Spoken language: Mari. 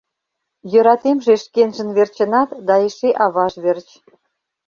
— Йӧратемже шкенжын верчынат да эше аваж верч.